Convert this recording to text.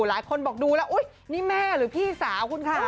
หลายคนบอกดูแล้วอุ๊ยนี่แม่หรือพี่สาวคุณค่ะ